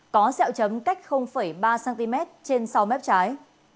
có xeo chấm cách ba cm trên sau mép trái